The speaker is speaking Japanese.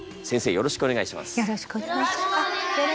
よろしくお願いします。